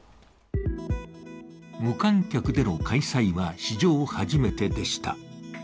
無観客での開催は史上初めてでした。